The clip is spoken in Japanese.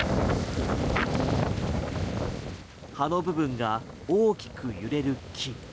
葉の部分が大きく揺れる木。